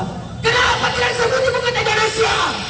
kenapa tidak sebut ibu kota indonesia